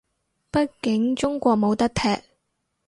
畢竟中國冇得踢